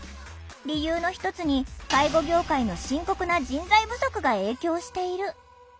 理由の一つに介護業界の深刻な人材不足が影響している。